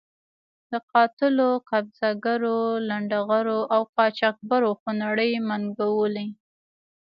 د قاتلو، قبضه ګرو، لنډه غرو او قاچاق برو خونړۍ منګولې.